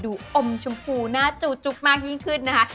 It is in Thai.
อมชมพูหน้าจูจุ๊บมากยิ่งขึ้นนะคะ